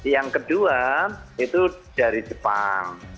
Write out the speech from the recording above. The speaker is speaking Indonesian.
yang kedua itu dari jepang